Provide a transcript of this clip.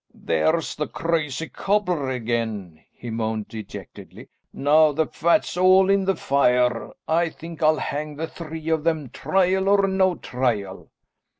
"There's the crazy cobbler again," he moaned dejectedly. "Now the fat's all in the fire. I think I'll hang the three of them, trial or no trial."